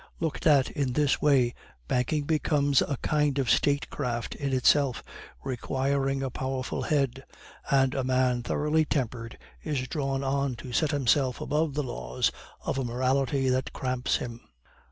Looked at in this way, banking becomes a kind of statecraft in itself, requiring a powerful head; and a man thoroughly tempered is drawn on to set himself above the laws of a morality that cramps him."